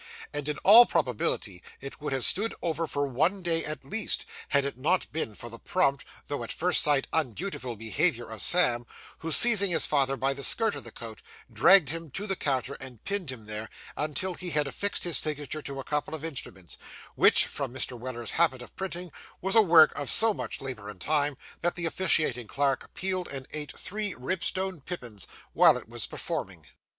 and in all probability it would have stood over for one day at least, had it not been for the prompt, though, at first sight, undutiful behaviour of Sam, who, seizing his father by the skirt of the coat, dragged him to the counter, and pinned him there, until he had affixed his signature to a couple of instruments; which, from Mr. Weller's habit of printing, was a work of so much labour and time, that the officiating clerk peeled and ate three Ribstone pippins while it was performing.